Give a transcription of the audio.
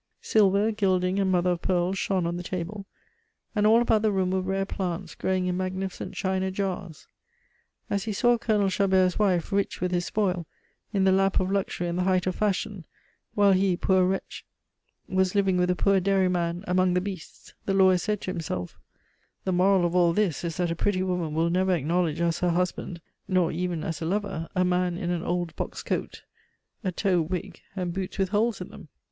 Silver, gilding, and mother of pearl shone on the table, and all about the room were rare plants growing in magnificent china jars. As he saw Colonel Chabert's wife, rich with his spoil, in the lap of luxury and the height of fashion, while he, poor wretch, was living with a poor dairyman among the beasts, the lawyer said to himself: "The moral of all this is that a pretty woman will never acknowledge as her husband, nor even as a lover, a man in an old box coat, a tow wig, and boots with holes in them."